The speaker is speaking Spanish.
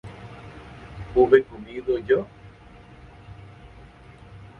¿hube comido yo?